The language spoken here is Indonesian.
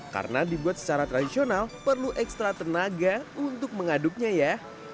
karena dibuat secara tradisional perlu ekstra tenaga untuk mengaduknya ya